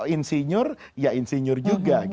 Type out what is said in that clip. insinyur ya insinyur juga